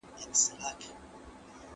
لارښود د څېړونکي وړاندیز منلی دی.